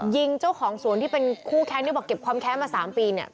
ยิงเจ้าของสวนที่เป็นคู่แค้นที่บอกเก็บความแค้นมา๓ปีเนี่ย